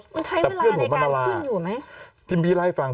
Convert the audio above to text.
มันใช้เวลาในการพื้นอยู่ไหม